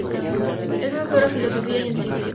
Es Doctora en Filosofía y en Ciencias.